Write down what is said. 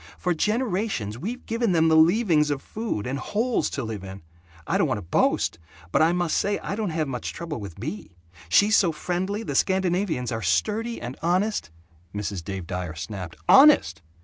For generations we've given them the leavings of food, and holes to live in. I don't want to boast, but I must say I don't have much trouble with Bea. She's so friendly. The Scandinavians are sturdy and honest " Mrs. Dave Dyer snapped, "Honest?